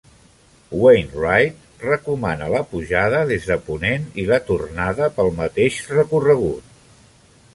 Wainwright recomana la pujada des de ponent i la tornada pel mateix recorregut.